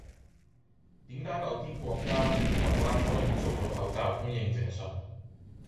點解某啲國家如台灣可以做到口罩供應正常